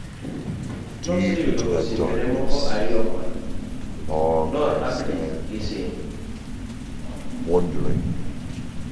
Noseyudo osiepene moko ariyo kono, Noor Abdi gi Singh